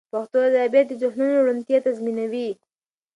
پښتو ادبیات د ذهنونو روڼتیا تضمینوي.